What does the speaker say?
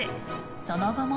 その後も。